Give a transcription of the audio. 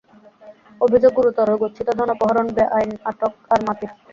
অভিযোগ গুরুতর, গচ্ছিত ধন অপহরণ, বেআইন আটক, আর মারপিট।